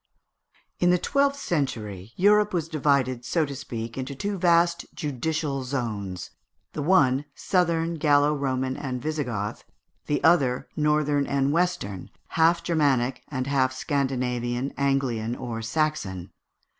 In the twelfth century Europe was divided, so to speak, into two vast judicial zones: the one, Southern, Gallo Roman, and Visigoth; the other, Northern and Western, half Germanic and half Scandinavian, Anglian, or Saxon.